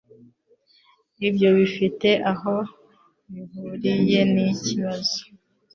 Ibyo bifite aho bihuriye niki kibazo.